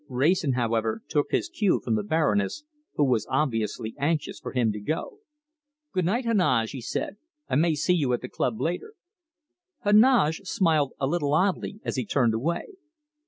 Wrayson, however, took his cue from the Baroness, who was obviously anxious for him to go. "Goodnight, Heneage!" he said. "I may see you at the club later." Heneage smiled a little oddly as he turned away.